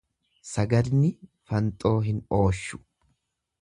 Sagadni fanxoo hin ooshu.